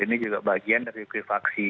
ini juga bagian dari privaksi